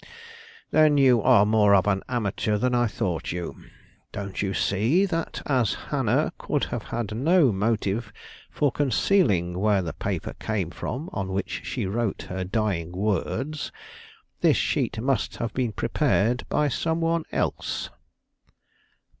"Humph! then you are more of an amateur than I thought you. Don't you see that, as Hannah could have had no motive for concealing where the paper came from on which she wrote her dying words, this sheet must have been prepared by some one else?"